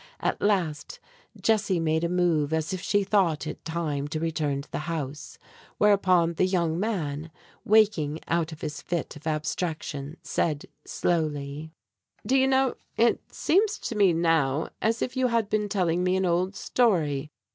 At last Jessie made a move as if she thought it time to return to the house, whereupon the young man, waking out of his fit of abstraction, said slowly: "Do you know, it seems to me now as if you had been telling me an old story.